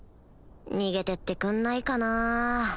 逃げてってくんないかなぁ